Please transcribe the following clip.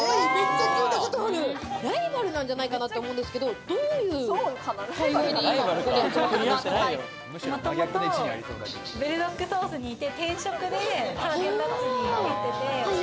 ライバルなんじゃないかなって思うんですけれども、どういうかいわいで今ここで集まってるんもともとブルドックソースにいて、転職でハーゲンダッツに行ってて。